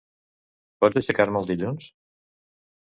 Pots aixecar-me el dilluns?